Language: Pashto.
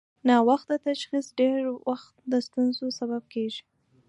ناوخته تشخیص ډېری وخت د ستونزو سبب کېږي.